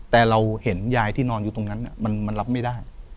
แต่เราเห็นยายที่นอนอยู่ตรงนั้นมันรับไม่ได้